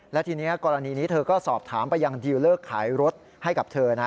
และทีนี้กรณีนี้เธอก็สอบถามไปยังดิวเลิกขายรถให้กับเธอนะ